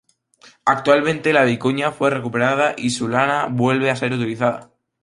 Actualmente la vicuña fue recuperada, y su lana vuelve a ser utilizada.